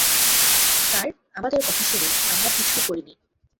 Sir, আমাদের কথা শুনুন, আমরা কিছুই করিনি।